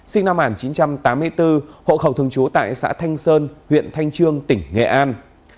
sinh năm một nghìn chín trăm tám mươi bốn hộ khẩu thường trú tại xã thanh sơn huyện thanh trương tỉnh nghệ an